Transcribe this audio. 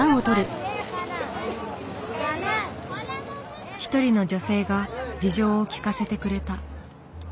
一人の女性が事情を聞かせてくれた。